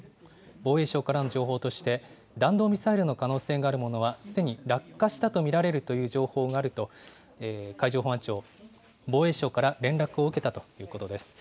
防衛省からの情報として、弾道ミサイルの可能性があるものは、すでに落下したと見られるという情報があると海上保安庁、防衛省から連絡を受けたということです。